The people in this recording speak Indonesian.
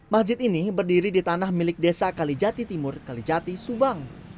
masjid ini berdiri di tanah milik desa kalijati timur kalijati subang